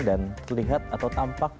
dan terlihat atau tampak